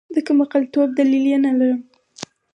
د کمعقلتوب دلیل یې نلرم.